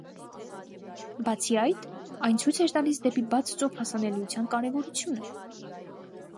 Բացի այդ, այն ցույց էր տալիս դեպի բաց ծով հասանելիության կարևորությունը։